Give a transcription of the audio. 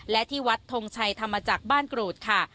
และที่วัดทงชัยธรรมจักรบ้านกรูดค่ะ